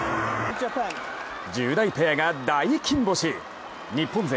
１０代ペアが大金星日本勢